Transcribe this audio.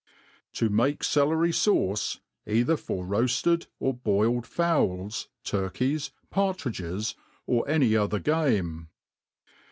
To make Celery fauce y either for rqafled or boiled Fowls ^ Turki^s^ Partridges J or any other Game.